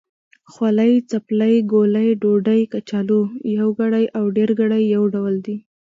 خولۍ، څپلۍ، ګولۍ، ډوډۍ، کچالو... يوګړی او ډېرګړي يو ډول دی.